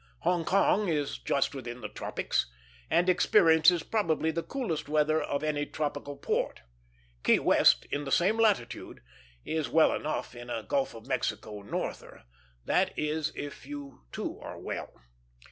Hong Kong is just within the tropics, and experiences probably the coolest weather of any tropical port. Key West, in the same latitude, is well enough in a Gulf of Mexico norther; that is, if you too are well.